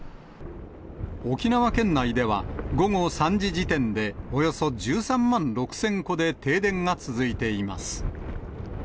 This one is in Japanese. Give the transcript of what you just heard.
沖縄県内では、午後３時時点で、およそ１３万６０００戸で停電が続いています。